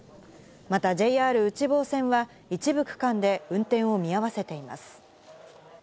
またＪＲ内房線は一部区間で運転を見合わせています。